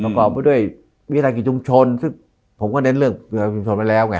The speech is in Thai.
ประกอบด้วยวิทยาลัยกิจชุมชนซึ่งผมก็เน้นเรื่องวิทยาลัยกิจชุมชนไว้แล้วไง